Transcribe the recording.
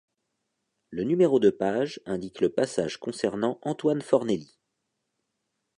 Le numéro de page indique le passage concernant Antoine Fornelli.